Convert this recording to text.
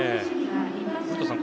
古田さん